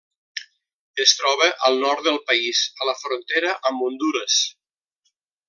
Es troba al nord del país, a la frontera amb Hondures.